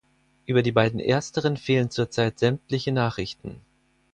Über die beiden ersteren fehlen zur Zeit sämtliche Nachrichten.